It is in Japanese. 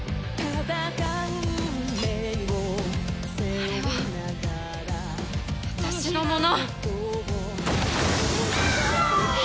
あれは私のもの！